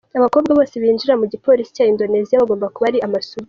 Abakobwa bose binjira mu gipolisi cya Indonesia bagomba kuba ari amasugi.